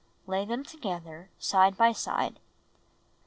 Lay them together, side by side.